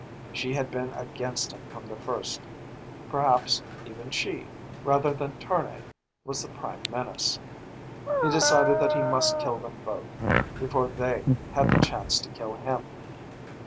She had been against him from the first. Perhaps even she, rather than Tournay, was the prime menace. He decided that he must kill them both, before they had the chance to kill him.